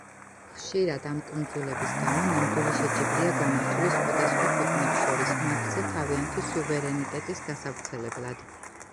ხშირად, ამ კუნძულების გამო, ნამდვილი შეჯიბრია გამართული სხვადასხვა ქვეყნებს შორის მათზე თავიანთი სუვერენიტეტის გასავრცელებლად.